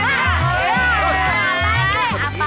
mak jawabannya mah udah